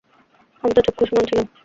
আমি তো চক্ষুস্মান ছিলাম।